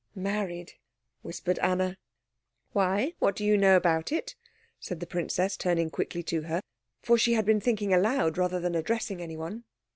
"Married," whispered Anna. "Why, what do you know about it?" said the princess, turning quickly to her; for she had been thinking aloud rather than addressing anyone.